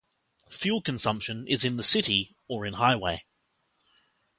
Fuel consumption is in the city or in highway.